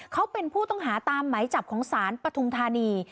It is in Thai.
เขาเป็นผู้ต้องหาตามไหมจับของศาลปฐุมธานี